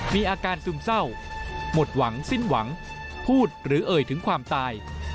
มีอาการซึมเศร้าหมดหวังสิ้นหวังพูดหรือเอ่ยถึงความตาย